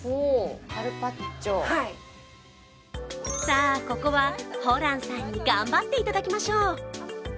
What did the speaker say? さあ、ここはホランさんに頑張っていただきましょう。